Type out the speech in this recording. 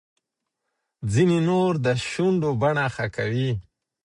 ځینې نور د شونډو بڼه ښه کوي.